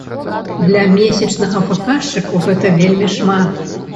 Для месячнага паказчыку гэта вельмі шмат.